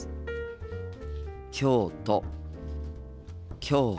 京都。